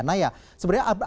naya sebenarnya apa